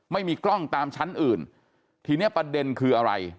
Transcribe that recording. ไม่มีกล้องตามชั้นอื่นทีนี้ประเด็นคืออะไร